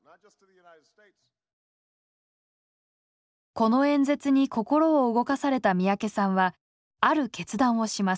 この演説に心を動かされた三宅さんはある決断をします。